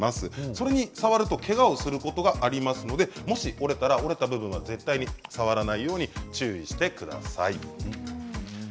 それに触るとけがをすることがありますのでもし折れたら折れた部分は絶対に触らないように注意してください。